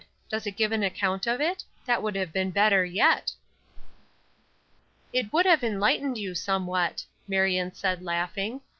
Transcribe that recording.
Does it give an account of it? That would have been better yet." "It would have enlightened you somewhat," Marion said, laughing.